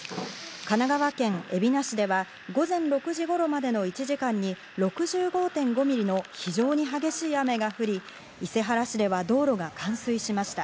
神奈川県海老名市では、午前６時頃までの１時間に６５．５ミリの非常に激しい雨が降り、伊勢原市では道路が冠水しました。